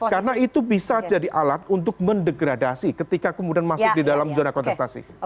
karena itu bisa jadi alat untuk mendegradasi ketika kemudian masuk di dalam zona kontestasi